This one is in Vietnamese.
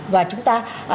và chúng ta